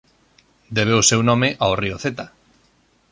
Debe o seu nome ao río Zeta.